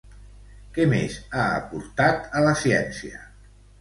Què més ha aportat a la ciència?